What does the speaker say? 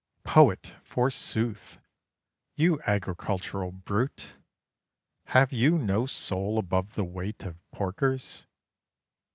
"Poet, forsooth! You agricultural brute! Have you no soul above the weight of porkers?